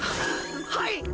はい！